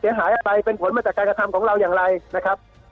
หายไปเป็นผลมาจากการกระทำของเราอย่างไรนะครับ